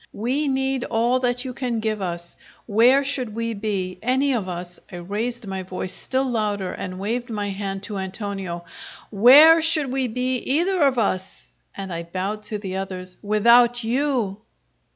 We need all that you can give us! Where should we be any of us" (I raised my voice still louder and waved my hand to Antonio), "where should we be, either of us" (and I bowed to the others) "without you?"